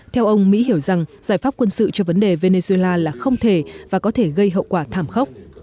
theo ông mỹ hiểu rằng giải pháp quân sự cho vấn đề venezuela là không thể và có thể gây hậu quả thảm khốc